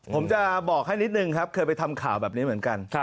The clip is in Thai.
ผมจะบอกให้นิดนึงครับเคยไปทำข่าวแบบนี้เหมือนกัน